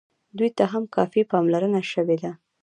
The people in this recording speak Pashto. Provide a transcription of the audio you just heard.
دوی ته هم کافي پاملرنه شوې ده.